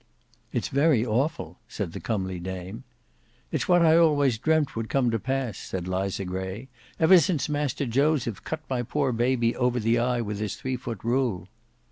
"It's very awful," said the comely dame. "It's what I always dreamt would come to pass," said Liza Gray, "ever since Master Joseph cut my poor baby over the eye with his three foot rule."